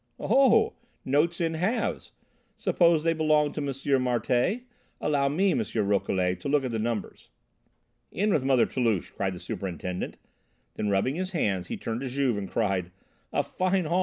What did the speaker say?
"Oh! Notes in halves! Suppose they belong to M. Martialle! Allow me, M. Rouquelet, to look at the numbers." "In with Mother Toulouche!" cried the Superintendent, then rubbing his hands he turned to Juve and cried: "A fine haul, M.